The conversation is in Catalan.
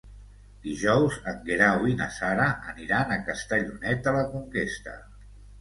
Dijous en Guerau i na Sara aniran a Castellonet de la Conquesta.